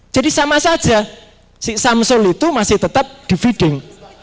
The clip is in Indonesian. jadi sama saja si samsol itu masih tetap di feeding